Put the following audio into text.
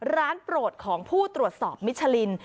โปรดของผู้ตรวจสอบมิชลิน